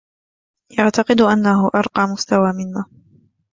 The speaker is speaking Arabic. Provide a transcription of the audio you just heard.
يعتقد أنه أرقى مستوى منا.